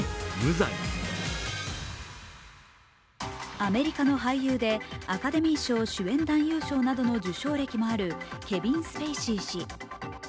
アメリカの俳優でアカデミー賞主演男優賞の受賞歴などもあるケビン・スペイシー氏。